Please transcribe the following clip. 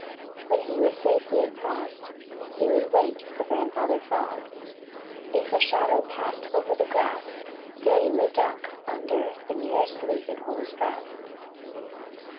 When he was safely across, he would wait for Grandfather Frog. If a shadow passed over the grass, Danny would duck under the nearest leaf and hold his breath.